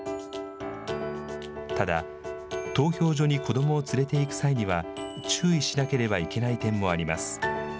ただ、投票所に子どもを連れていく際には注意しなければいけない点もあります。